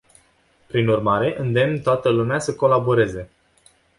Prin urmare, îndemn toată lumea să colaboreze.